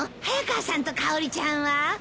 早川さんとかおりちゃんは？